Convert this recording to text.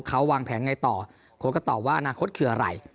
เขาวางแผนไงต่อโค้ดก็ตอบว่าอนาคตคืออะไร